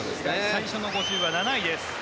最初の５０ｍは７位です。